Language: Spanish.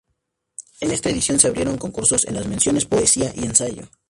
En esta edición, se abrieron concursos en las Menciones Poesía y Ensayo.